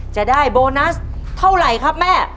จะได้โบนัสเท่าไหร่ครับแม่